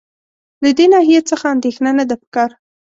له دې ناحیې څخه اندېښنه نه ده په کار.